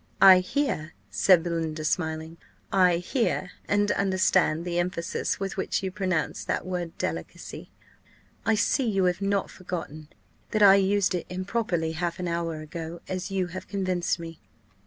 "I hear," said Belinda, smiling, "I hear and understand the emphasis with which you pronounce that word delicacy. I see you have not forgotten that I used it improperly half an hour ago, as you have convinced me."